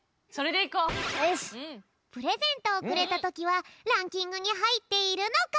プレゼントをくれたときはランキングにはいっているのか？